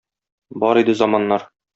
Бар иде заманнар.